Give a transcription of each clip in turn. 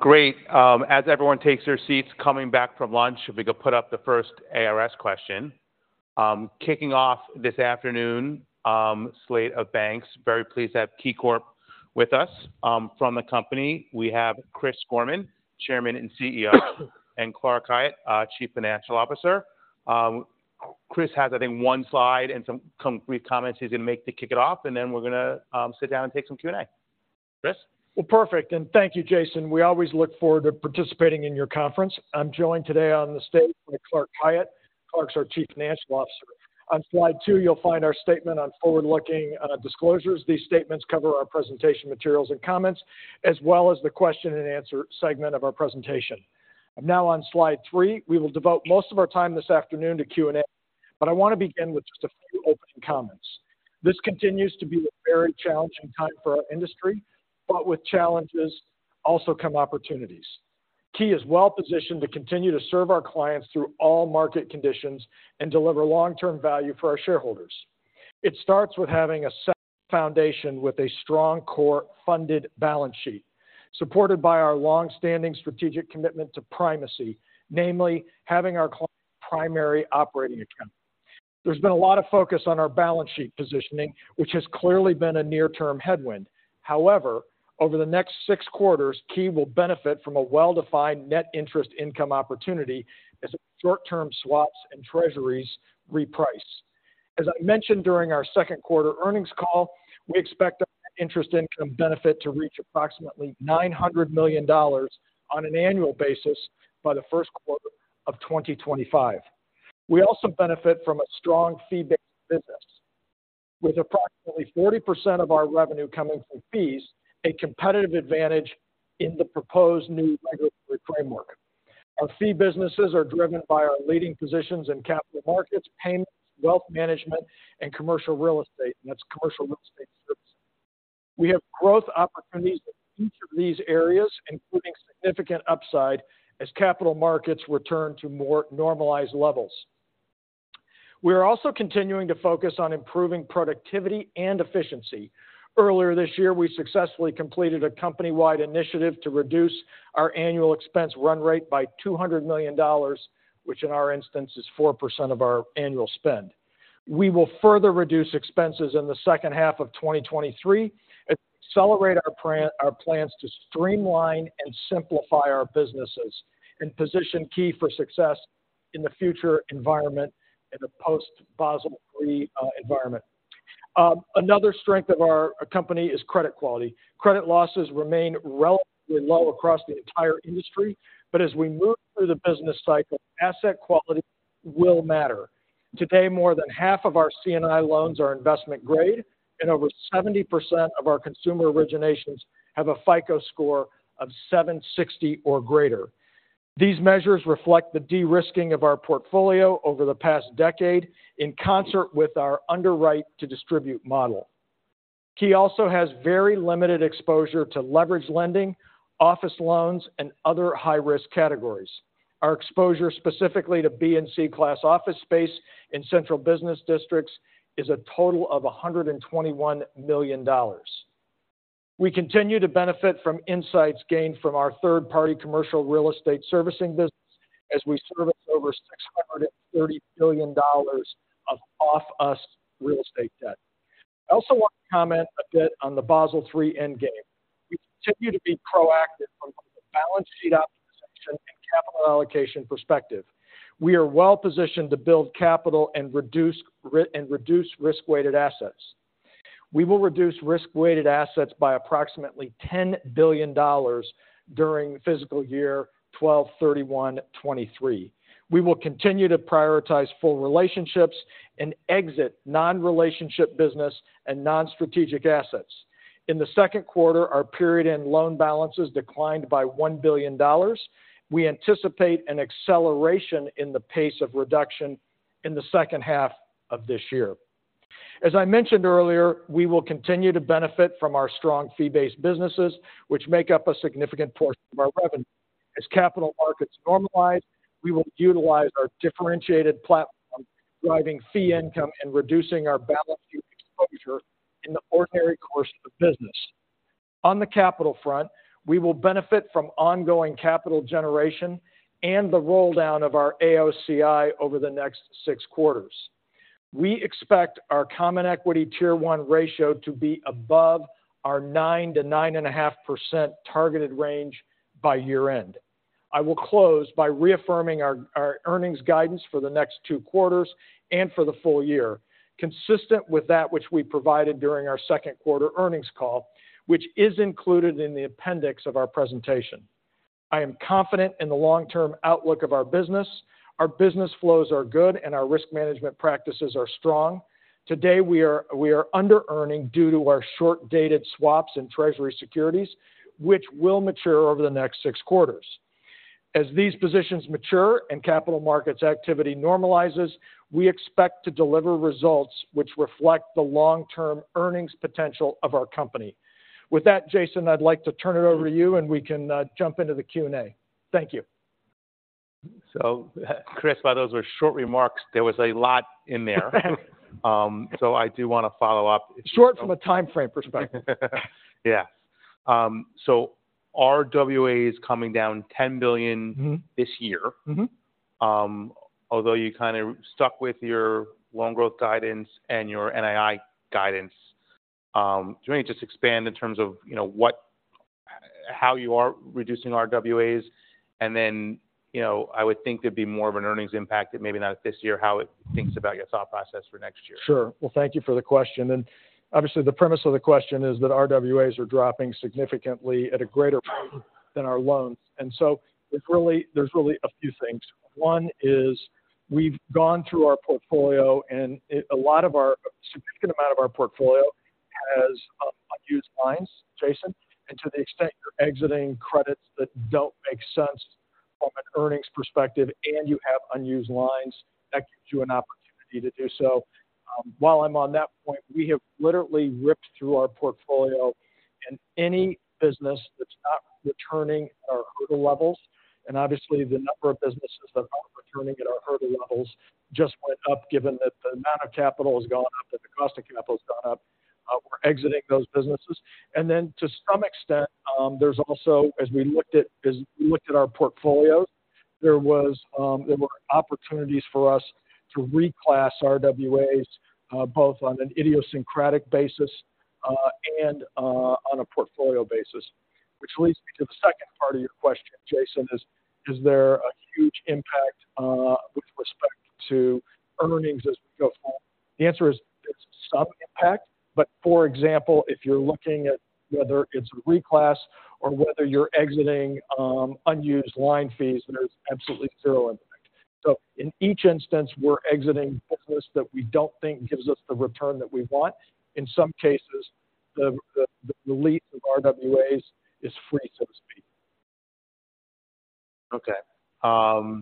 Great. As everyone takes their seats coming back from lunch, we could put up the first ARS question. Kicking off this afternoon, slate of banks, very pleased to have KeyCorp with us. From the company, we have Chris Gorman, Chairman and CEO, and Clark Khayat, our Chief Financial Officer. Chris has, I think, one slide and some brief comments he's going to make to kick it off, and then we're going to sit down and take some Q&A. Chris? Well, perfect. And thank you, Jason. We always look forward to participating in your conference. I'm joined today on the stage by Clark Khayat. Clark's our Chief Financial Officer. On slide two, you'll find our statement on forward-looking disclosures. These statements cover our presentation materials and comments, as well as the question and answer segment of our presentation. Now, on slide three, we will devote most of our time this afternoon to Q&A, but I want to begin with just a few opening comments. This continues to be a very challenging time for our industry, but with challenges also come opportunities. Key is well positioned to continue to serve our clients through all market conditions and deliver long-term value for our shareholders. It starts with having a solid foundation with a strong core funded balance sheet, supported by our long-standing strategic commitment to primacy, namely, having our primary operating account. There's been a lot of focus on our balance sheet positioning, which has clearly been a near-term headwind. However, over the next six quarters, Key will benefit from a well-defined net interest income opportunity as short-term swaps and treasuries reprice. As I mentioned during our Q2 earnings call, we expect our interest income benefit to reach approximately $900 million on an annual basis by the Q1 of 2025. We also benefit from a strong fee-based business, with approximately 40% of our revenue coming from fees, a competitive advantage in the proposed new regulatory framework. Our fee businesses are driven by our leading positions in capital markets, payments, wealth management, and commercial real estate, and that's commercial real estate services. We have growth opportunities in each of these areas, including significant upside as capital markets return to more normalized levels. We are also continuing to focus on improving productivity and efficiency. Earlier this year, we successfully completed a company-wide initiative to reduce our annual expense run rate by $200 million, which in our instance, is 4% of our annual spend. We will further reduce expenses in the second half of 2023 and accelerate our plan, our plans to streamline and simplify our businesses and position Key for success in the future environment and the post-Basel III environment. Another strength of our company is credit quality. Credit losses remain relatively low across the entire industry, but as we move through the business cycle, asset quality will matter. Today, more than half of our C&I loans are investment grade, and over 70% of our consumer originations have a FICO score of 760 or greater. These measures reflect the de-risking of our portfolio over the past decade in concert with our underwrite to distribute model. Key also has very limited exposure to leverage lending, office loans, and other high-risk categories. Our exposure specifically to B and C class office space in central business districts is a total of $121 million. We continue to benefit from insights gained from our third-party commercial real estate servicing business as we service over $630 billion of off-us real estate debt. I also want to comment a bit on the Basel III Endgame. We continue to be proactive from both a balance sheet optimization and capital allocation perspective. We are well positioned to build capital and reduce and reduce risk-weighted assets. We will reduce risk-weighted assets by approximately $10 billion during fiscal year 12/31/2023. We will continue to prioritize full relationships and exit non-relationship business and non-strategic assets. In the Q2, our period-end loan balances declined by $1 billion. We anticipate an acceleration in the pace of reduction in the second half of this year. As I mentioned earlier, we will continue to benefit from our strong fee-based businesses, which make up a significant portion of our revenue. As capital markets normalize, we will utilize our differentiated platform, driving fee income and reducing our balance sheet exposure in the ordinary course of business. On the capital front, we will benefit from ongoing capital generation and the roll down of our AOCI over the next six quarters. We expect our Common Equity Tier 1 ratio to be above our 9%-9.5% targeted range by year-end. I will close by reaffirming our earnings guidance for the next two quarters and for the full year, consistent with that which we provided during our Q2 earnings call, which is included in the appendix of our presentation. I am confident in the long-term outlook of our business. Our business flows are good, and our risk management practices are strong. Today, we are under-earning due to our short-dated swaps in Treasury securities, which will mature over the next six quarters. As these positions mature and capital markets activity normalizes, we expect to deliver results which reflect the long-term earnings potential of our company. With that, Jason, I'd like to turn it over to you, and we can jump into the Q&A. Thank you. ... So, Chris, while those were short remarks, there was a lot in there. So I do want to follow up. Short from a time frame perspective. Yes. RWA is coming down $10 billion. Mm-hmm. -this year. Mm-hmm. Although you kind of stuck with your loan growth guidance and your NII guidance, do you want to just expand in terms of, you know, what, how you are reducing RWAs? And then, you know, I would think there'd be more of an earnings impact that maybe not this year, how it thinks about your thought process for next year. Sure. Well, thank you for the question. And obviously, the premise of the question is that RWAs are dropping significantly at a greater rate than our loans. And so there's really a few things. One is we've gone through our portfolio, and a lot of our—a significant amount of our portfolio has unused lines, Jason. And to the extent you're exiting credits that don't make sense from an earnings perspective, and you have unused lines, that gives you an opportunity to do so. While I'm on that point, we have literally ripped through our portfolio, and any business that's not returning our hurdle levels, and obviously, the number of businesses that are returning at our hurdle levels just went up, given that the amount of capital has gone up and the cost of capital has gone up. We're exiting those businesses. Then to some extent, there's also, as we looked at our portfolios, there were opportunities for us to reclass RWAs, both on an idiosyncratic basis, and on a portfolio basis. Which leads me to the second part of your question, Jason, is: Is there a huge impact with respect to earnings as we go forward? The answer is, it's some impact, but for example, if you're looking at whether it's a reclass or whether you're exiting unused line fees, there's absolutely zero impact. So in each instance, we're exiting business that we don't think gives us the return that we want. In some cases, the leap of RWAs is free, so to speak. Okay, that,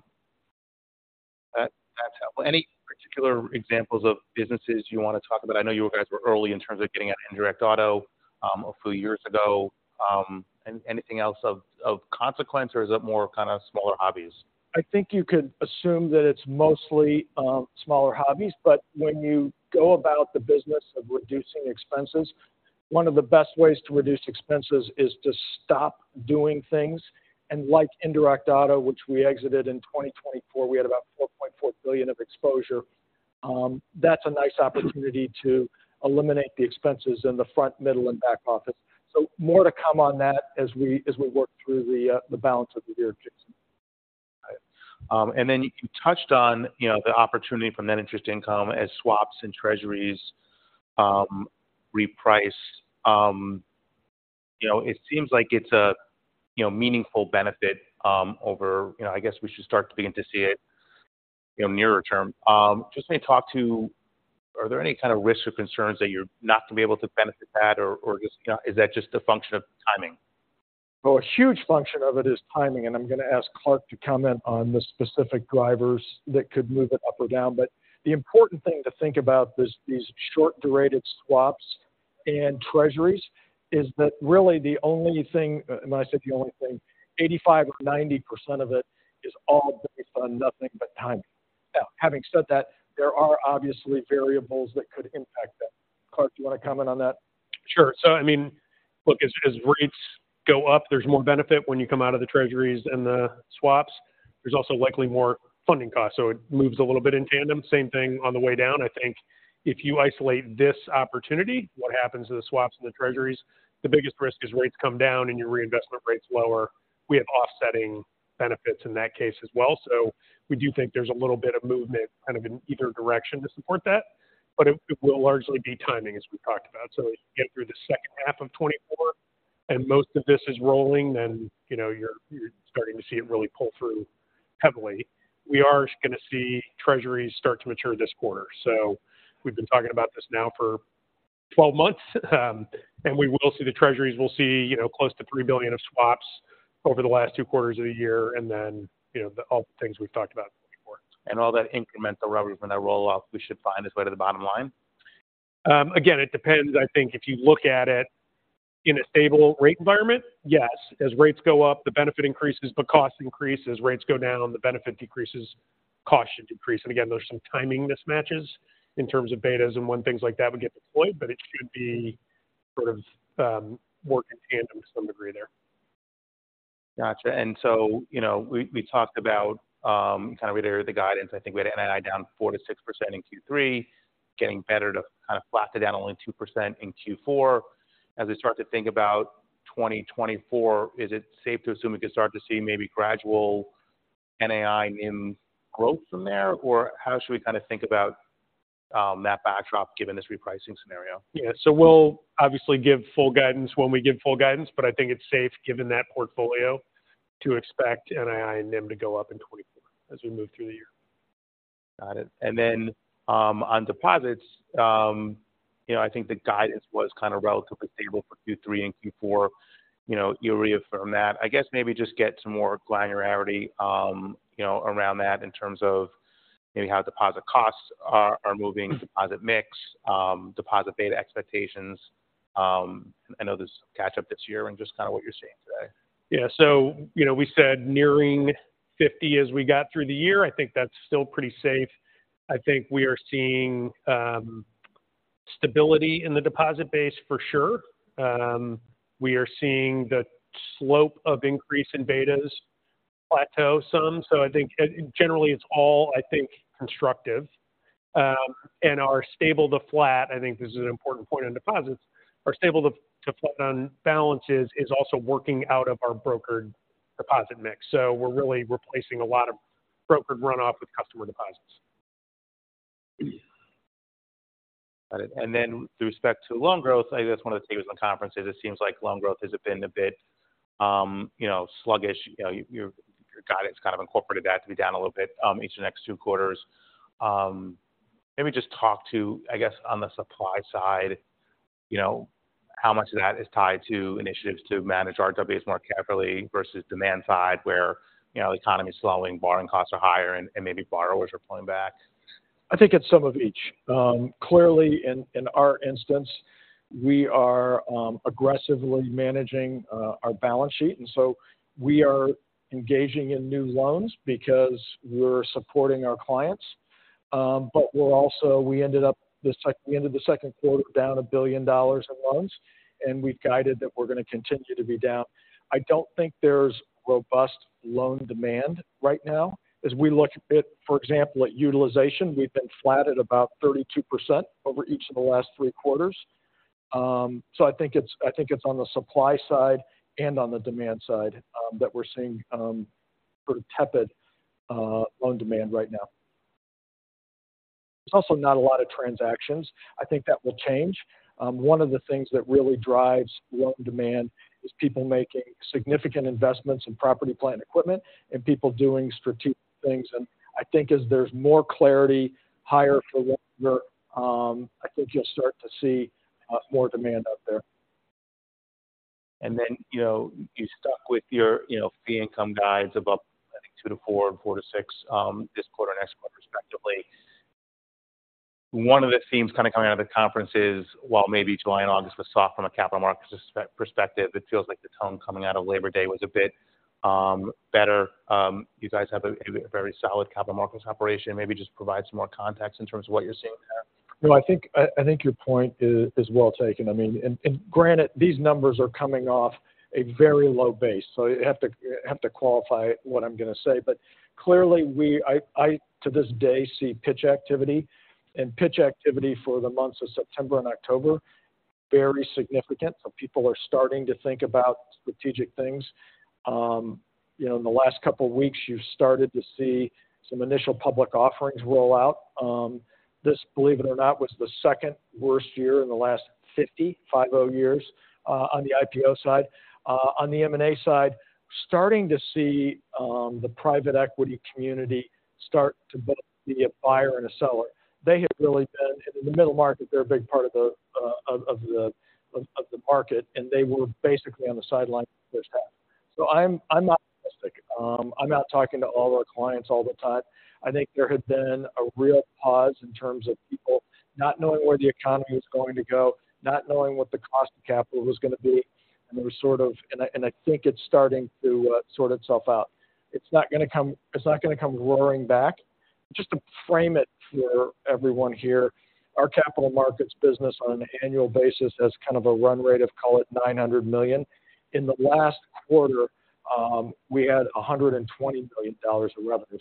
that's helpful. Any particular examples of businesses you want to talk about? I know you guys were early in terms of getting out of indirect auto, a few years ago. Anything else of consequence, or is it more kind of smaller hobbies? I think you could assume that it's mostly smaller hobbies, but when you go about the business of reducing expenses, one of the best ways to reduce expenses is to stop doing things. And like indirect auto, which we exited in 2024, we had about $4.4 billion of exposure. That's a nice opportunity to eliminate the expenses in the front, middle, and back office. So more to come on that as we, as we work through the balance of the year, Jason. And then you touched on, you know, the opportunity from net interest income as swaps and treasuries reprice. You know, it seems like it's a, you know, meaningful benefit over. You know, I guess we should start to begin to see it, you know, nearer term. Just may talk to, are there any kind of risks or concerns that you're not going to be able to benefit that, or, or just, you know, is that just a function of timing? Well, a huge function of it is timing, and I'm going to ask Clark to comment on the specific drivers that could move it up or down. But the important thing to think about is these short-durated swaps and treasuries is that really the only thing, when I say the only thing, 85% or 90% of it is all based on nothing but timing. Now, having said that, there are obviously variables that could impact that. Clark, do you want to comment on that? Sure. So, I mean, look, as rates go up, there's more benefit when you come out of the treasuries and the swaps. There's also likely more funding costs, so it moves a little bit in tandem. Same thing on the way down. I think if you isolate this opportunity, what happens to the swaps and the treasuries? The biggest risk is rates come down, and your reinvestment rates lower. We have offsetting benefits in that case as well. So we do think there's a little bit of movement kind of in either direction to support that, but it will largely be timing, as we talked about. So as you get through the second half of 2024 and most of this is rolling, then, you know, you're starting to see it really pull through heavily. We are going to see treasuries start to mature this quarter. So we've been talking about this now for 12 months, and we will see the Treasuries. We'll see, you know, close to $3 billion of swaps over the last two quarters of the year, and then, you know, all the things we've talked about before. And all that incremental revenue from that roll-off, we should find its way to the bottom line? Again, it depends. I think if you look at it in a stable rate environment, yes. As rates go up, the benefit increases, but cost increases. Rates go down, the benefit decreases, cost should decrease. And again, there's some timing mismatches in terms of betas and when things like that would get deployed, but it should be sort of, work in tandem to some degree there. Gotcha. And so, you know, we, we talked about kind of earlier, the guidance. I think we had NII down 4%-6% in Q3, getting better to kind of flatten down only 2% in Q4. As we start to think about 2024, is it safe to assume we could start to see maybe gradual NII NIM growth from there? Or how should we kind of think about that backdrop given this repricing scenario? Yeah. So we'll obviously give full guidance when we give full guidance, but I think it's safe, given that portfolio, to expect NII NIM to go up in 2024 as we move through the year. Got it. And then, on deposits, you know, I think the guidance was kind of relatively stable for Q3 and Q4. You know, you reaffirmed that. I guess maybe just get some more granularity, you know, around that in terms of maybe how deposit costs are, are moving, deposit mix, deposit beta expectations.... I know there's catch up this year and just kind of what you're seeing today. Yeah. So, you know, we said nearing 50 as we got through the year. I think that's still pretty safe. I think we are seeing stability in the deposit base for sure. We are seeing the slope of increase in betas plateau some. So I think, generally it's all, I think, constructive. And our stable to flat, I think this is an important point on deposits, our stable to, to flat on balances is also working out of our brokered deposit mix. So we're really replacing a lot of brokered runoff with customer deposits. Got it. And then with respect to loan growth, I think that's one of the things in the conference, is it seems like loan growth has been a bit, you know, sluggish. You know, your, your guidance kind of incorporated that to be down a little bit, each of the next two quarters. Maybe just talk to, I guess, on the supply side, you know, how much of that is tied to initiatives to manage RWAs more carefully versus demand side, where, you know, the economy is slowing, borrowing costs are higher, and, and maybe borrowers are pulling back? I think it's some of each. Clearly, in our instance, we are aggressively managing our balance sheet, and so we are engaging in new loans because we're supporting our clients. But we're also. We ended the Q2 down $1 billion in loans, and we've guided that we're going to continue to be down. I don't think there's robust loan demand right now. As we look at, for example, at utilization, we've been flat at about 32% over each of the last three quarters. So I think it's on the supply side and on the demand side that we're seeing sort of tepid loan demand right now. There's also not a lot of transactions. I think that will change. One of the things that really drives loan demand is people making significant investments in property, plant, and equipment, and people doing strategic things. And I think as there's more clarity, higher for longer, I think you'll start to see more demand out there. Then, you know, you stuck with your, you know, fee income guides above, I think, two-four and four-six, this quarter and next quarter, respectively. One of the themes kind of coming out of the conference is, while maybe July and August was soft from a capital markets perspective, it feels like the tone coming out of Labor Day was a bit better. You guys have a very solid capital markets operation. Maybe just provide some more context in terms of what you're seeing there. No, I think your point is well taken. I mean, granted, these numbers are coming off a very low base, so you have to qualify what I'm going to say. But clearly, to this day, I see pitch activity, and pitch activity for the months of September and October, very significant. So people are starting to think about strategic things. You know, in the last couple of weeks, you've started to see some initial public offerings roll out. This, believe it or not, was the second worst year in the last 50 years on the IPO side. On the M&A side, starting to see the private equity community start to both be a buyer and a seller. They have really been, in the middle market, they're a big part of the of the market, and they were basically on the sidelines this half. So I'm not realistic. I'm out talking to all our clients all the time. I think there had been a real pause in terms of people not knowing where the economy was going to go, not knowing what the cost of capital was going to be, and there was sort of, and I think it's starting to sort itself out. It's not going to come, it's not going to come roaring back. Just to frame it for everyone here, our capital markets business on an annual basis has kind of a run rate of, call it, $900 million. In the last quarter, we had $120 million in revenue.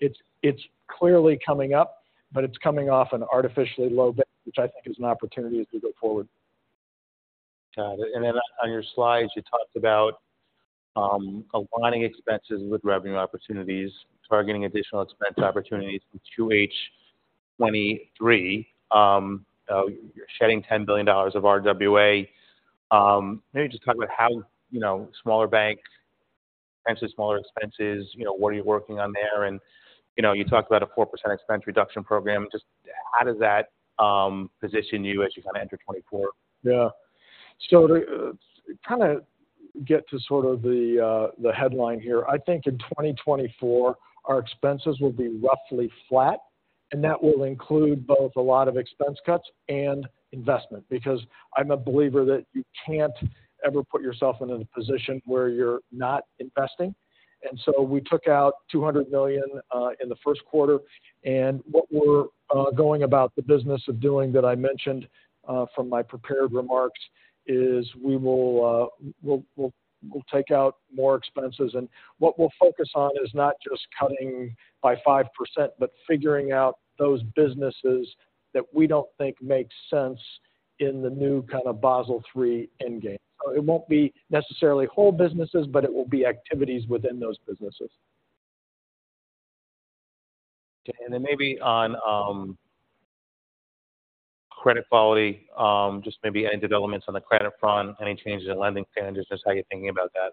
So it's clearly coming up, but it's coming off an artificially low base, which I think is an opportunity as we go forward. Got it. And then on your slides, you talked about aligning expenses with revenue opportunities, targeting additional expense opportunities in 2H 2023. You're shedding $10 billion of RWA. Maybe just talk about how, you know, smaller banks, potentially smaller expenses, you know, what are you working on there? And, you know, you talked about a 4% expense reduction program. Just how does that position you as you kind of enter 2024? Yeah. So to kind of get to sort of the headline here, I think in 2024, our expenses will be roughly flat, and that will include both a lot of expense cuts and investment. Because I'm a believer that you can't ever put yourself in a position where you're not investing. So we took out $200 million in the Q1. And what we're going about the business of doing that I mentioned from my prepared remarks is we will, we'll take out more expenses. What we'll focus on is not just cutting by 5%, but figuring out those businesses that we don't think make sense in the new kind of Basel III Endgame. So it won't be necessarily whole businesses, but it will be activities within those businesses. Okay. And then maybe on credit quality, just maybe any developments on the credit front, any changes in lending standards, just how you're thinking about that?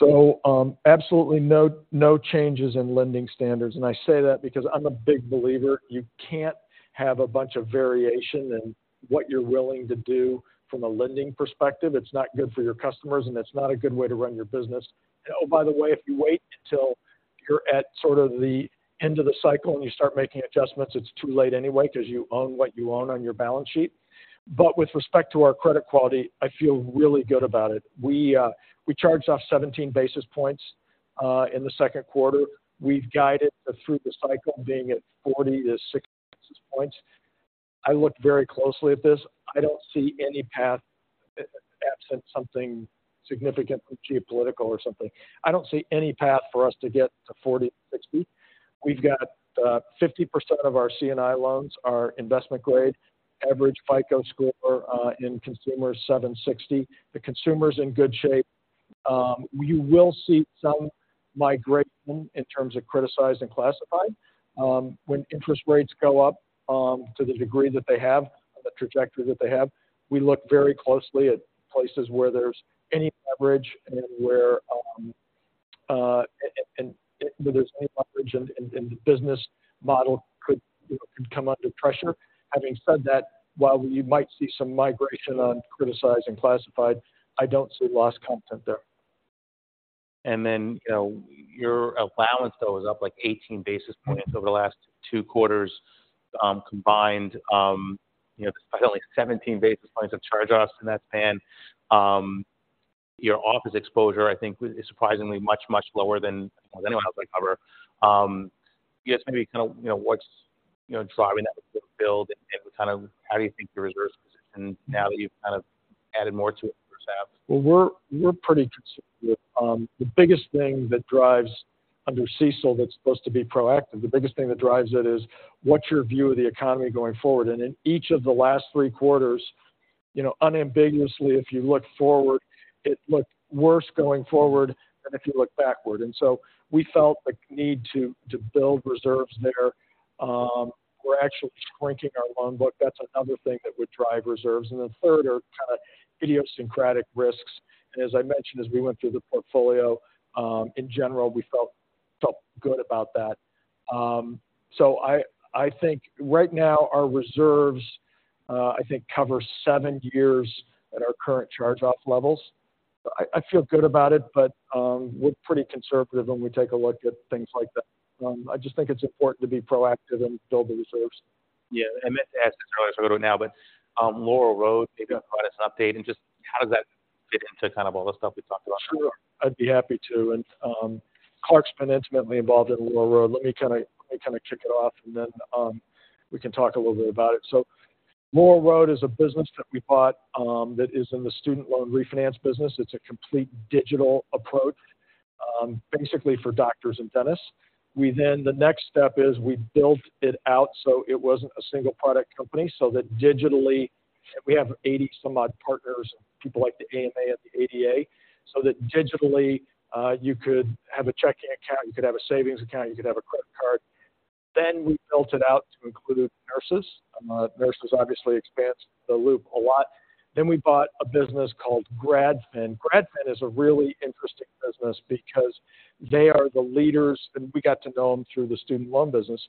So, absolutely no, no changes in lending standards. And I say that because I'm a big believer, you can't have a bunch of variation in what you're willing to do from a lending perspective. It's not good for your customers, and it's not a good way to run your business. Oh, by the way, if you wait until you're at sort of the end of the cycle, and you start making adjustments, it's too late anyway, because you own what you own on your balance sheet. But with respect to our credit quality, I feel really good about it. We, we charged off 17 basis points in the Q2. We've guided through the cycle being at 40-60 basis points. I looked very closely at this. I don't see any path, absent something significantly geopolitical or something, I don't see any path for us to get to 40-60. We've got, 50% of our C&I loans are investment grade. Average FICO score, in consumer 760. The consumer's in good shape. You will see some migration in terms of criticized and classified. When interest rates go up, to the degree that they have, the trajectory that they have, we look very closely at places where there's any leverage and where, and the business model could, you know, could come under pressure. Having said that, while we might see some migration on criticized and classified, I don't see loss content there. And then, you know, your allowance, though, is up, like, 18 basis points over the last 2 quarters, combined. You know, definitely 17 basis points of charge-offs in that span. Your office exposure, I think, is surprisingly much, much lower than anyone else I cover. I guess maybe kind of, you know, what's, you know, driving that build, and kind of how do you think the reserve position now that you've kind of added more to it versus half? Well, we're pretty conservative. The biggest thing that drives under CECL, that's supposed to be proactive. The biggest thing that drives it is: What's your view of the economy going forward? And in each of the last three quarters, you know, unambiguously, if you look forward, it looked worse going forward than if you look backward. And so we felt the need to build reserves there. We're actually shrinking our loan book. That's another thing that would drive reserves. And the third are kind of idiosyncratic risks. And as I mentioned, as we went through the portfolio, in general, we felt good about that. So I think right now our reserves, I think cover seven years at our current charge-off levels. I feel good about it, but we're pretty conservative when we take a look at things like that. I just think it's important to be proactive and build the reserves. Yeah, I meant to ask this earlier, so I go to now, but, Laurel Road, maybe provide us an update, and just how does that fit into kind of all the stuff we talked about? Sure. I'd be happy to. And, Clark's been intimately involved in Laurel Road. Let me kinda kick it off, and then, we can talk a little bit about it. So Laurel Road is a business that we bought, that is in the student loan refinance business. It's a complete digital approach, basically for doctors and dentists. We then, the next step is we built it out so it wasn't a single product company, so that digitally, we have 80 some odd partners, people like the AMA and the ADA, so that digitally, you could have a checking account, you could have a savings account, you could have a credit card. Then we built it out to include nurses. Nurses obviously expanded the loop a lot. Then we bought a business called GradFin. GradFin is a really interesting business because they are the leaders, and we got to know them through the student loan business.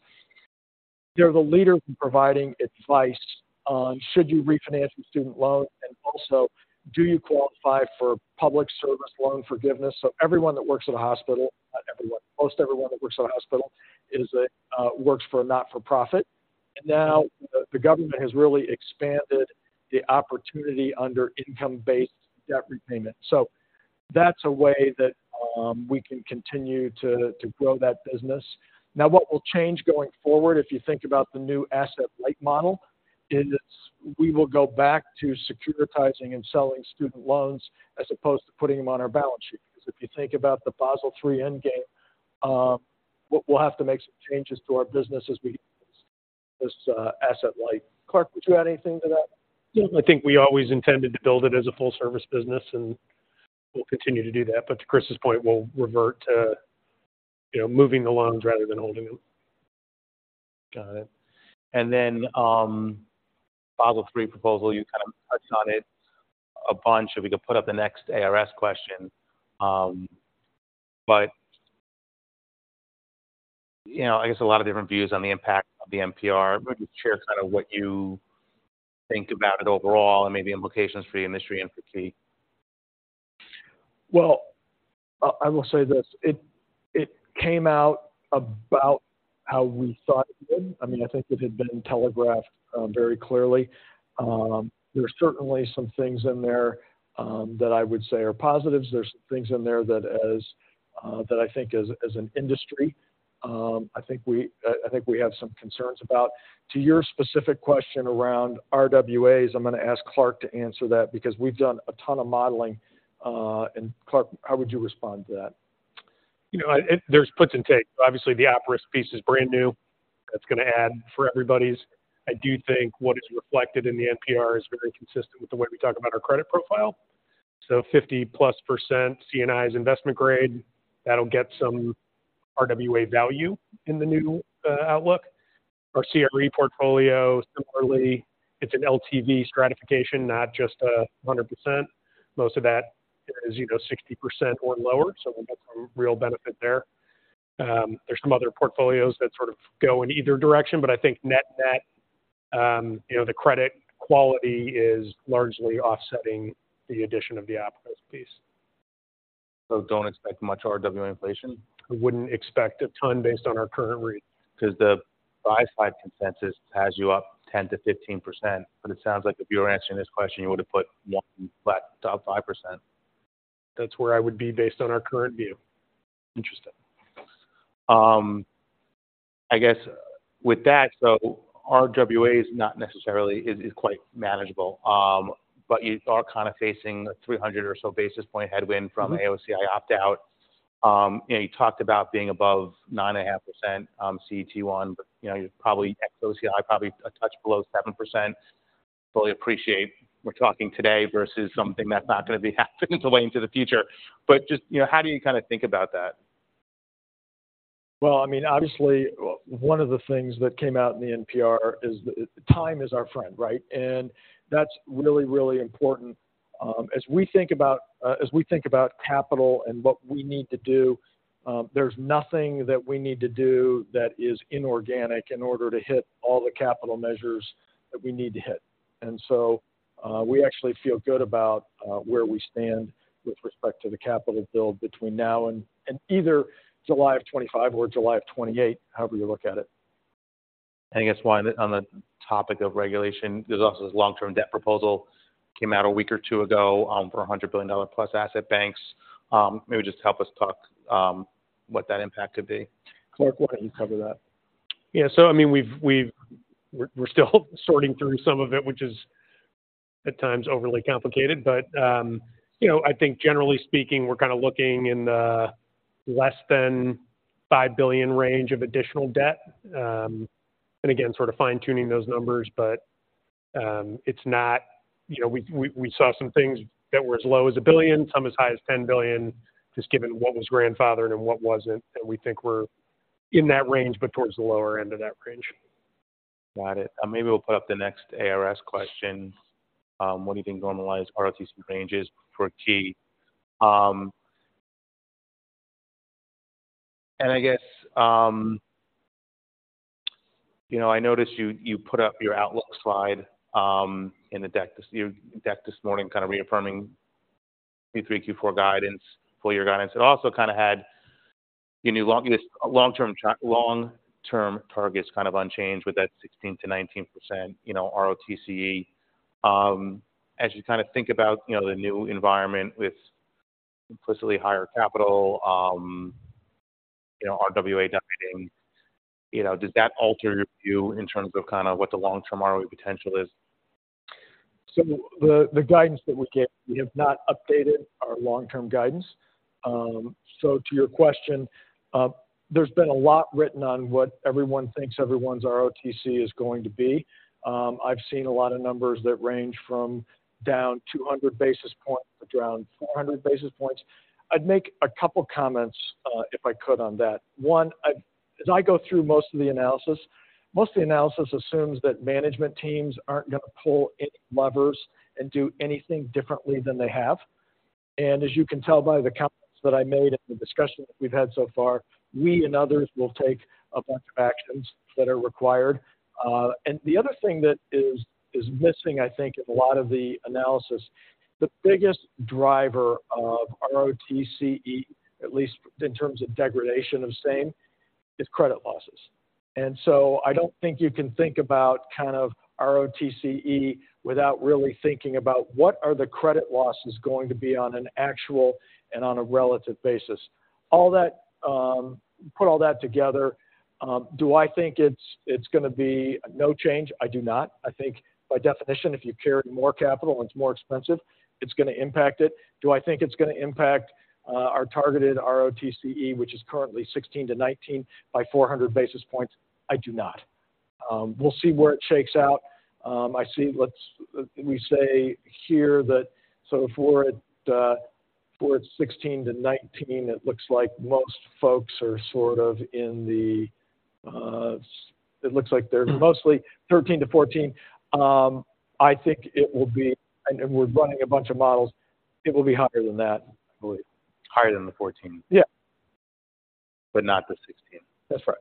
They're the leader in providing advice on should you refinance the student loan, and also do you qualify for public service loan forgiveness? So everyone that works at a hospital, not everyone, almost everyone that works at a hospital is a works for a not-for-profit. And now the government has really expanded the opportunity under Income Based Debt Repayment. So that's a way that we can continue to grow that business. Now, what will change going forward, if you think about the new asset-light model, is we will go back to securitizing and selling student loans as opposed to putting them on our balance sheet. Because if you think about the Basel III Endgame, we'll have to make some changes to our business as we, this, asset light. Clark, would you add anything to that? Yeah, I think we always intended to build it as a full service business, and we'll continue to do that. But to Chris's point, we'll revert to, you know, moving the loans rather than holding them. Got it. And then, Basel III proposal, you kind of touched on it a bunch. If we could put up the next ARS question. But, you know, I guess a lot of different views on the impact of the NPR. Maybe share kind of what you think about it overall and maybe implications for the industry and for Key? Well, I will say this, it came out about how we thought it would. I mean, I think it had been telegraphed very clearly. There are certainly some things in there that I would say are positives. There are some things in there that I think as an industry, I think we have some concerns about. To your specific question around RWAs, I'm going to ask Clark to answer that because we've done a ton of modeling. And Clark, how would you respond to that? You know, there's puts and takes. Obviously, the Op Co piece is brand new. That's going to add for everybody's. I do think what is reflected in the NPR is very consistent with the way we talk about our credit profile. So 50%+ C&I's investment grade, that'll get some RWA value in the new outlook. Our CRE portfolio, similarly, it's an LTV stratification, not just 100%. Most of that is, you know, 60% or lower, so we'll get some real benefit there. There's some other portfolios that sort of go in either direction, but I think net-net-... you know, the credit quality is largely offsetting the addition of the Op Co piece. So don't expect much RWA inflation? I wouldn't expect a ton based on our current read. 'Cause the buy-side consensus has you up 10%-15%, but it sounds like if you were answering this question, you would have put 1% flat to 5%. That's where I would be based on our current view. Interesting. I guess with that, so RWA is not necessarily, is quite manageable. But you are kind of facing a 300 or so basis point headwind from- Mm-hmm. AOCI opt-out. You know, you talked about being above 9.5%, CET1, but, you know, you're probably, ex-OCI, probably a touch below 7%. Totally appreciate we're talking today versus something that's not going to be happening way into the future. But just, you know, how do you kind of think about that? Well, I mean, obviously, one of the things that came out in the NPR is the time is our friend, right? And that's really, really important. As we think about capital and what we need to do, there's nothing that we need to do that is inorganic in order to hit all the capital measures that we need to hit. And so, we actually feel good about where we stand with respect to the capital build between now and either July of 2025 or July of 2028, however you look at it. I guess one, on the topic of regulation, there's also this long-term debt proposal came out a week or two ago, for $100 billion-plus asset banks. Maybe just help us talk, what that impact could be. Clark, why don't you cover that? Yeah. So I mean, we've we're still sorting through some of it, which is at times overly complicated. But, you know, I think generally speaking, we're kind of looking in the less than $5 billion range of additional debt. And again, sort of fine-tuning those numbers, but, it's not... You know, we saw some things that were as low as $1 billion, some as high as $10 billion, just given what was grandfathered and what wasn't, that we think we're in that range, but towards the lower end of that range. Got it. Maybe we'll put up the next ARS question. What do you think normalized ROTCE range is for Key? And I guess, you know, I noticed you, you put up your outlook slide, in the deck this—your deck this morning, kind of reaffirming Q3, Q4 guidance, full year guidance. It also kind of had your new long-term targets kind of unchanged with that 16%-19%, you know, ROTCE. As you kind of think about, you know, the new environment with implicitly higher capital, you know, RWA weighting, you know, does that alter your view in terms of kind of what the long-term ROE potential is? So the guidance that we gave, we have not updated our long-term guidance. So to your question, there's been a lot written on what everyone thinks everyone's ROTCE is going to be. I've seen a lot of numbers that range from down 200 basis points to down 400 basis points. I'd make a couple comments, if I could, on that. One, as I go through most of the analysis, most of the analysis assumes that management teams aren't going to pull any levers and do anything differently than they have. And as you can tell by the comments that I made and the discussion that we've had so far, we and others will take a bunch of actions that are required. And the other thing that is missing, I think, in a lot of the analysis, the biggest driver of ROTCE, at least in terms of degradation of same, is credit losses. So I don't think you can think about kind of ROTCE without really thinking about what are the credit losses going to be on an actual and on a relative basis. All that put all that together, do I think it's going to be no change? I do not. I think by definition, if you carry more capital and it's more expensive, it's going to impact it. Do I think it's going to impact our targeted ROTCE, which is currently 16%-19% by 400 basis points? I do not. We'll see where it shakes out. I see, let's—we say here that so for it, for its 16-19, it looks like most folks are sort of in the, it looks like they're mostly 13-14. I think it will be—and we're running a bunch of models, it will be higher than that, I believe. Higher than the 14? Yeah. But not the 16. That's right.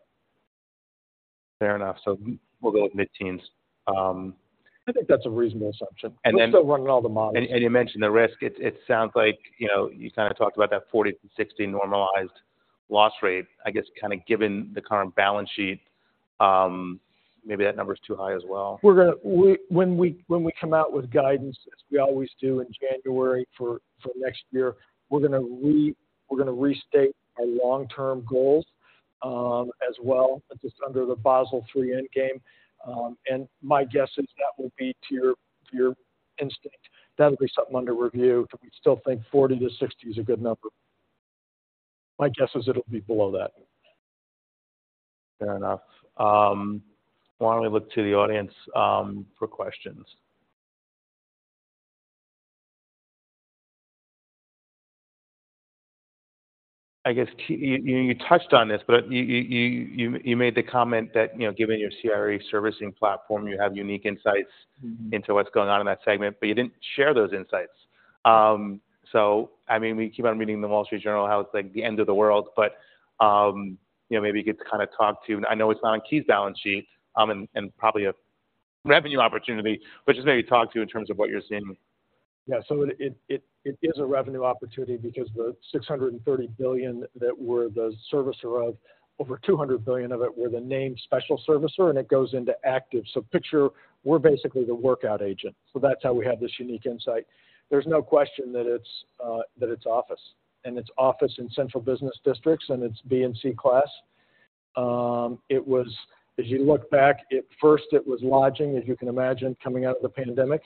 Fair enough. So we'll go with mid-teens. I think that's a reasonable assumption. And then- We're still running all the models. You mentioned the risk. It sounds like, you know, you kind of talked about that 40-60 normalized loss rate. I guess, kind of given the current balance sheet, maybe that number is too high as well. We're going to, when we come out with guidance, as we always do in January for next year, we're going to restate our long-term goals, as well, just under the Basel III Endgame. And my guess is that will be to your instinct. That'll be something under review, but we still think 40-60 is a good number. My guess is it'll be below that. Fair enough. Why don't we look to the audience for questions? I guess, Key, you made the comment that, you know, given your CRE servicing platform, you have unique insights- Mm-hmm. -into what's going on in that segment, but you didn't share those insights.... So I mean, we keep on reading the Wall Street Journal, how it's like the end of the world. But, you know, maybe you could kind of talk to-- I know it's not on Key's balance sheet, and, and probably a revenue opportunity, but just maybe talk to in terms of what you're seeing. Yeah. So it is a revenue opportunity because the $630 billion that we're the servicer of, over $200 billion of it, we're the named special servicer, and it goes into active. So picture, we're basically the workout agent, so that's how we have this unique insight. There's no question that it's that it's office, and it's office in central business districts, and it's B and C class. It was, as you look back, at first it was lodging, as you can imagine, coming out of the pandemic.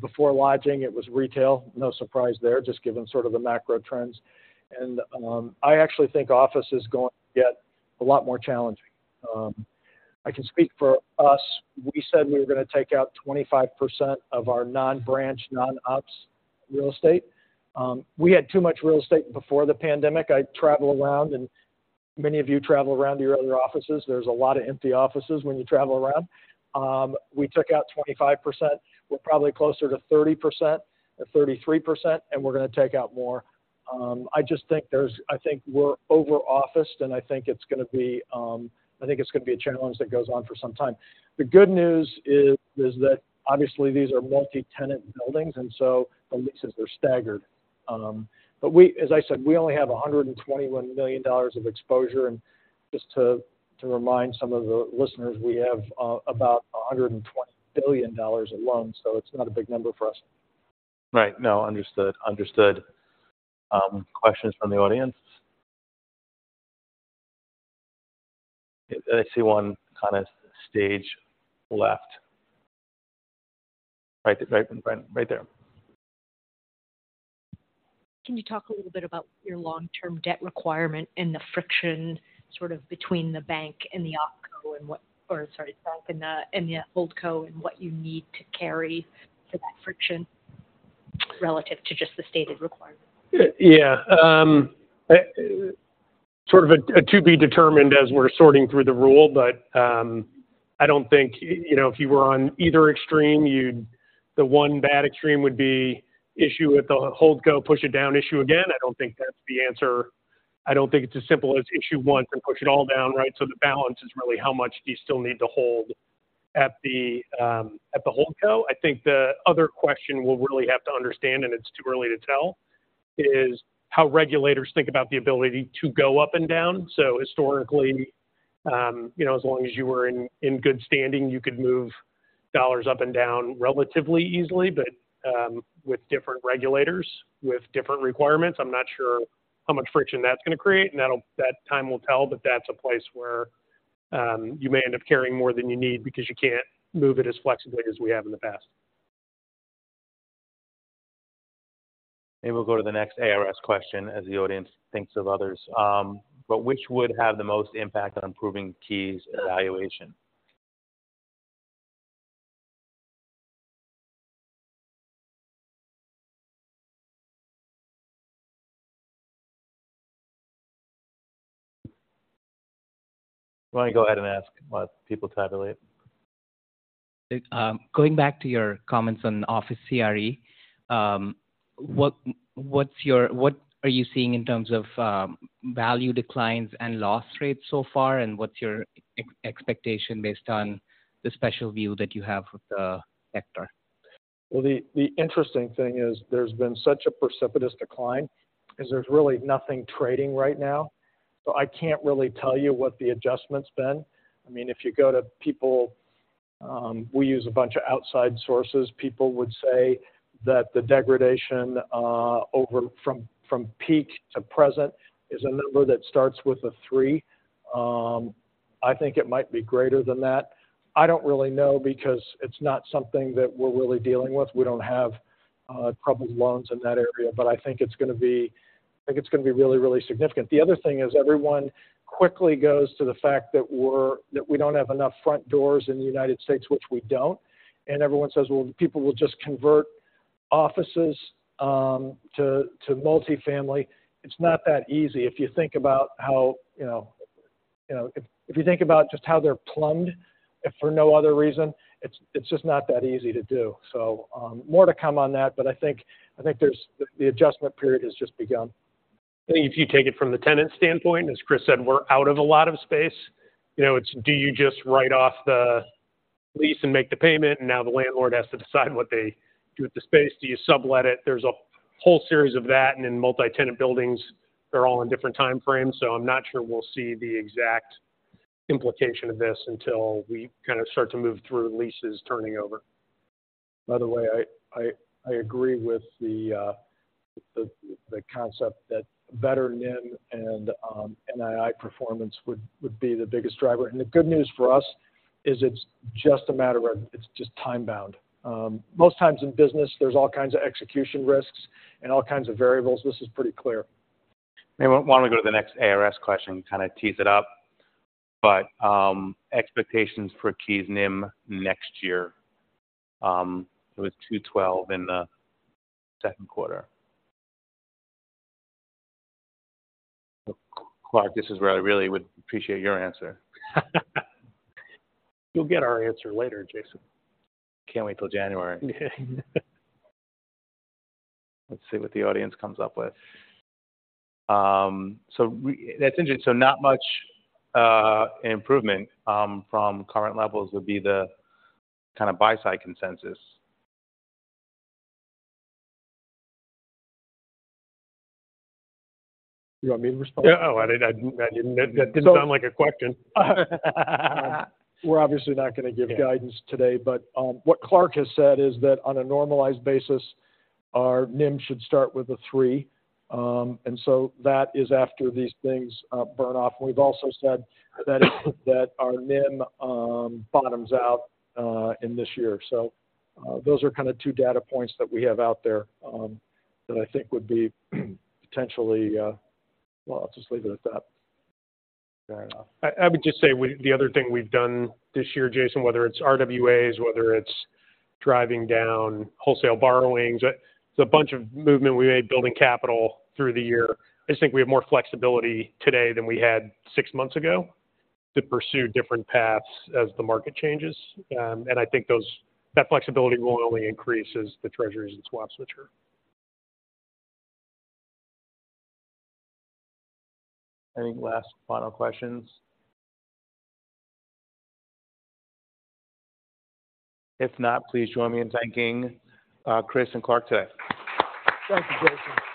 Before lodging, it was retail. No surprise there, just given sort of the macro trends. And I actually think office is going to get a lot more challenging. I can speak for us. We said we were going to take out 25% of our non-branch, non-ops real estate. We had too much real estate before the pandemic. I travel around, and many of you travel around to your other offices. There's a lot of empty offices when you travel around. We took out 25%. We're probably closer to 30% or 33%, and we're going to take out more. I just think there's-- I think we're over-officed, and I think it's going to be, I think it's going to be a challenge that goes on for some time. The good news is, is that obviously these are multi-tenant buildings, and so the leases are staggered. But we-- as I said, we only have $121 million of exposure, and just to, to remind some of the listeners, we have, about $120 billion in loans, so it's not a big number for us. Right. No, understood. Understood. Questions from the audience? I see one kind of stage left. Right, right, right there. Can you talk a little bit about your long-term debt requirement and the friction sort of between the bank and the Op Co and what- or sorry, the bank and the, and the Hold Co, and what you need to carry for that friction relative to just the stated requirement? Yeah, sort of a to be determined as we're sorting through the rule, but, I don't think, you know, if you were on either extreme, you'd... The one bad extreme would be issue with the Hold Co, push it down, issue again. I don't think that's the answer. I don't think it's as simple as issue once and push it all down, right? So the balance is really how much do you still need to hold at the, at the Hold Co. I think the other question we'll really have to understand, and it's too early to tell, is how regulators think about the ability to go up and down. So historically, you know, as long as you were in good standing, you could move dollars up and down relatively easily. But, with different regulators, with different requirements, I'm not sure how much friction that's going to create, and that time will tell. But that's a place where, you may end up carrying more than you need because you can't move it as flexibly as we have in the past. Maybe we'll go to the next ARS question as the audience thinks of others. But which would have the most impact on improving Key's valuation? Why don't you go ahead and ask while people tabulate? Going back to your comments on office CRE, what are you seeing in terms of value declines and loss rates so far? And what's your expectation based on the special view that you have of the sector? Well, the interesting thing is there's been such a precipitous decline. There's really nothing trading right now. So I can't really tell you what the adjustment's been. I mean, if you go to people, we use a bunch of outside sources. People would say that the degradation over from peak to present is a number that starts with a three. I think it might be greater than that. I don't really know because it's not something that we're really dealing with. We don't have troubled loans in that area, but I think it's going to be... I think it's going to be really, really significant. The other thing is everyone quickly goes to the fact that we don't have enough front doors in the United States, which we don't. Everyone says, "Well, people will just convert offices to multifamily." It's not that easy. If you think about how, you know, if you think about just how they're plumbed, if for no other reason, it's just not that easy to do. So, more to come on that, but I think there's the adjustment period has just begun. If you take it from the tenant standpoint, as Chris said, we're out of a lot of space. You know, it's do you just write off the lease and make the payment, and now the landlord has to decide what they do with the space? Do you sublet it? There's a whole series of that, and in multi-tenant buildings, they're all on different time frames. So I'm not sure we'll see the exact implication of this until we kind of start to move through leases turning over. By the way, I agree with the concept that better NIM and NII performance would be the biggest driver. And the good news for us is it's just a matter of—it's just time-bound. Most times in business, there's all kinds of execution risks and all kinds of variables. This is pretty clear. Maybe why don't we go to the next ARS question, kind of tease it up. But, expectations for Key's NIM next year, it was 2.12 in the Q2. Clark, this is where I really would appreciate your answer. You'll get our answer later, Jason. Can't wait till January. Let's see what the audience comes up with. So that's interesting. So not much improvement from current levels would be the kind of buy-side consensus. You want me to respond? Yeah. Oh, I didn't- that didn't sound like a question. We're obviously not going to give guidance today, but what Clark has said is that on a normalized basis, our NIM should start with a 3. And so that is after these things burn off. We've also said that our NIM bottoms out in this year. So those are kind of 2 data points that we have out there that I think would be potentially... Well, I'll just leave it at that. Fair enough. I would just say we, the other thing we've done this year, Jason, whether it's RWAs, whether it's driving down wholesale borrowings, there's a bunch of movement we made building capital through the year. I just think we have more flexibility today than we had six months ago to pursue different paths as the market changes. And I think that flexibility will only increase as the Treasuries and swaps mature. Any last final questions? If not, please join me in thanking Chris and Clark today. Thank you, Jason. Thank you.